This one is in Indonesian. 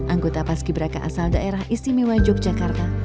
anggota pas kiberakan asal daerah istimewa yogyakarta